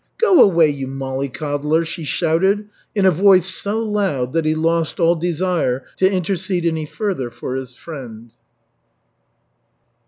"Go away, you mollycoddler," she shouted in a voice so loud that he lost all desire to intercede any further for his friend.